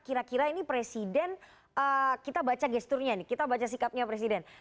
kira kira ini presiden kita baca gesturnya nih kita baca sikapnya presiden